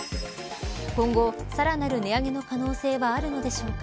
今後、さらなる値上げの可能性はあるのでしょうか。